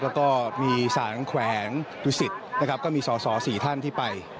และก็มีศาลแขวงสิทธิก็มีศาล๔ท่านที่ไป